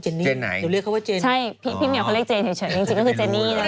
ใช่พี่แม่เขาเรียกเจนเฉยจริงก็คือเจนนี่แหละ